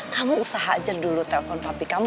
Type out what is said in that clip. kamu usaha aja dulu telpon tapi kamu